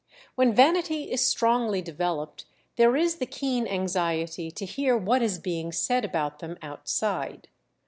When vanity is strongly developed there is the keen anxiety to hear what is being said about them outside.